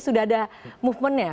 sudah ada movement nya